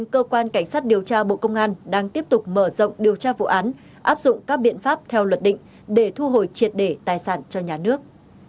cơ quan cảnh sát điều tra bộ công an đang tiếp tục mở rộng điều tra vụ án áp dụng các biện pháp theo luật định để thu hồi triệt để tài sản cho nhà nước